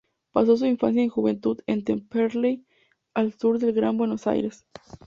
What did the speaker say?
Pasó su infancia y juventud en Temperley, al sur del Gran Buenos Aires.